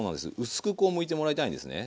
薄くこうむいてもらいたいんですね。